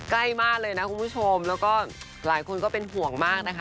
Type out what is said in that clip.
ใกล้มากเลยนะคุณผู้ชมแล้วก็หลายคนก็เป็นห่วงมากนะคะ